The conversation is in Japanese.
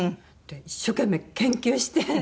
一生懸命研究して。